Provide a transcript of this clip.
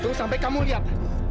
aku gak mau lihat